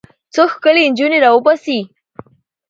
څو ښکلې نجونې راوباسي.